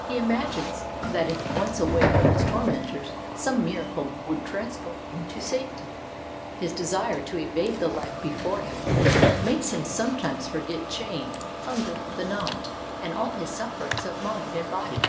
He imagines that if once away from his tormentors some miracle would transport him to safety. His desire to evade the Hfe before him makes him sometimes forget chain, hunger, the knout, and all his sufferings of mind and body.